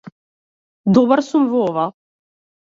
Добар сум во ова.